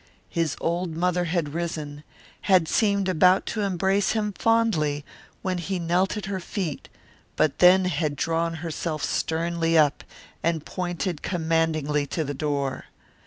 His old mother had risen, had seemed about to embrace him fondly when he knelt at her feet, but then had drawn herself sternly up and pointed commandingly to the door.